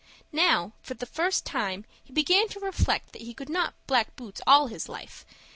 Now, for the first time, he began to reflect that he could not black boots all his life.